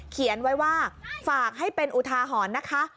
เขียนไว้ว่าฝากให้เป็นอุทาหรณ์นะคะ